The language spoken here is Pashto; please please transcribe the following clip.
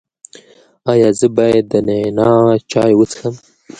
ایا زه باید د نعناع چای وڅښم؟